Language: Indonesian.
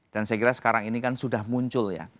dan saya kira sekarang ini kan sudah muncul ya